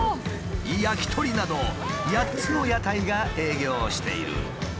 焼き鳥など８つの屋台が営業している。